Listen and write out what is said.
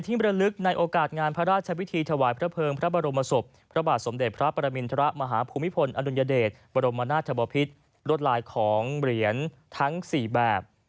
มรลึกในโอกาสงานพระราชวิธีถวายพระเภิงพระบรมศพพระบาทสมเด็จพระปรมินทรมาฮภูมิพลอดุลยเดชบรมนาศบพิษรวดลายของเหรียญทั้ง๔แบบ